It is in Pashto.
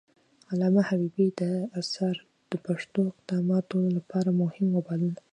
علامه حبيبي دا اثر د پښتو د قدامت لپاره مهم وباله.